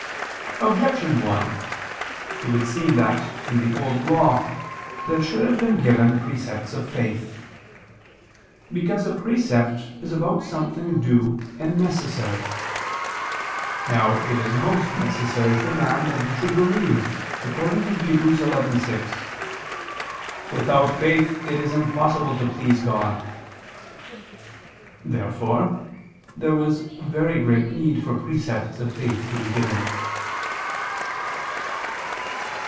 Objection 1: It would seem that, in the Old Law, there should have been given precepts of faith. Because a precept is about something due and necessary. Now it is most necessary for man that he should believe, according to Heb. 11:6, "Without faith it is impossible to please God." Therefore there was very great need for precepts of faith to be given.